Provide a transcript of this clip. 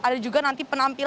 ada juga nanti penampilan